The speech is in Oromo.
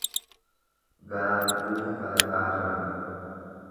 Garaan quufe falaxaarra rafa.